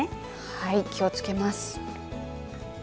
はい気をつけます。